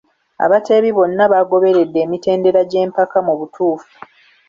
Abeetabi bonna baagoberedde emitendera gy'empaka mu butuufu.